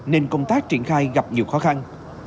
nên công tác triển khai gặp nhiều khó khăn